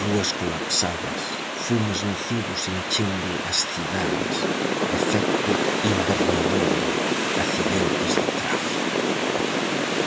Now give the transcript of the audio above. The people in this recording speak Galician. Rúas colapsadas, fumes nocivos enchendo as cidades, efecto invernadoiro, accidentes de tráfico.